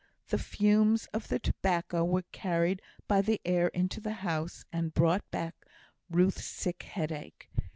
The fumes of the tobacco were carried by the air into the house, and brought back Ruth's sick headache.